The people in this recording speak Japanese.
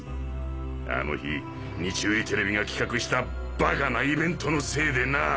あの日日売テレビが企画したバカなイベントのせいでな！